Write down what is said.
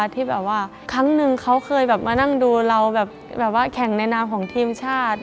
ที่แบบว่าครั้งหนึ่งเขาเคยแบบมานั่งดูเราแบบว่าแข่งในนามของทีมชาติ